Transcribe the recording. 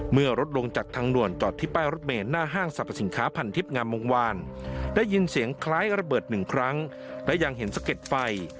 เมื่อรถลงจากทางด่วนจอดที่ป้ายรถเมนหน้าห้างสรรพสินค้าพันทิพย์งามวงวานได้ยินเสียงคล้ายระเบิดหนึ่งครั้งและยังเห็นสะเก็ดไฟ